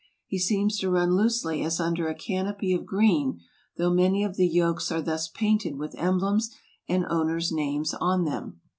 He seems to run loosely as under a can opy of green, though many of the yokes are thus painted with emblems and owners' names on them.